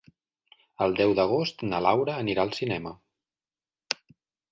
El deu d'agost na Laura anirà al cinema.